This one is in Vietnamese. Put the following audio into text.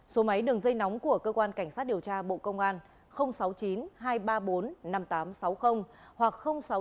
số máy đường dây nóng của cơ quan cảnh sát điều tra bộ công an sáu mươi chín hai trăm ba mươi bốn năm nghìn tám trăm sáu mươi hoặc sáu mươi chín hai trăm ba mươi hai một nghìn sáu trăm sáu mươi